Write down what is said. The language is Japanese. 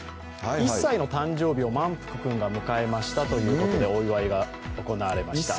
１歳の誕生日をまんぷく君が迎えましたと、お祝いが行われました。